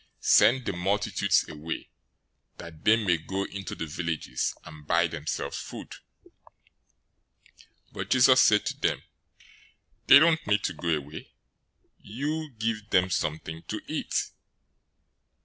Send the multitudes away, that they may go into the villages, and buy themselves food." 014:016 But Jesus said to them, "They don't need to go away. You give them something to eat."